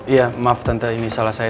iya maaf tante ini salah saya